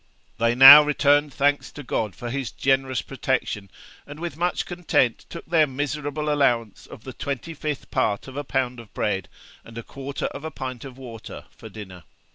They now returned thanks to God for His generous protection, and with much content took their miserable allowance of the twenty fifth part of a pound of bread, and a quarter of a pint of water, for dinner.